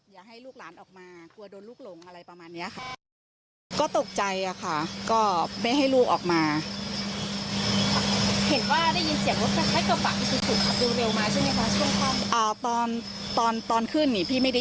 อย่าให้ลูกหลานออกมา